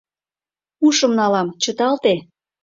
Ушым налам, чыталте!